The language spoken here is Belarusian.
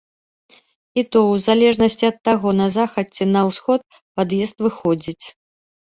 І то, у залежнасці ад таго, на захад ці на ўсход пад'езд выходзіць.